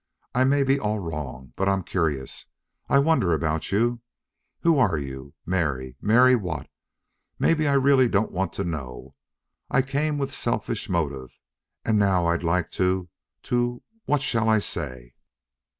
I may be all wrong. But I'm curious. I wonder about you. Who are you? Mary Mary what? Maybe I really don't want to know. I came with selfish motive and now I'd like to to what shall I say?